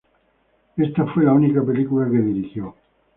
Esta fue la única película que dirigió.